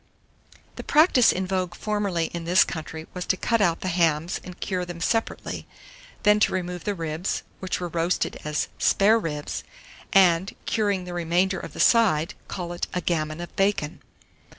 795. THE PRACTICE IN VOGUE FORMERLY in this country was to cut out the hams and cure them separately; then to remove the ribs, which were roasted as "spare ribs," and, curing the remainder of the side, call it a "gammon of bacon."